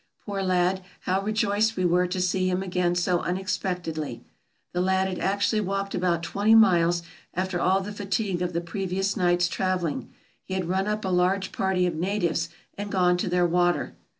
Poor lad, how rejoiced we were to see him again so unexpectedly ! The lad had actually walked about twenty miles after all the fatigue of the previous night's trav eling; he had run up a large party of natives, and gone to their water.